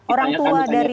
orang tua dari